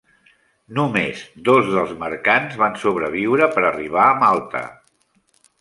Només dos dels mercants van sobreviure per arribar a Malta.